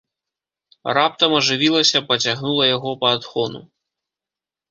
Раптам ажывілася, пацягнула яго па адхону.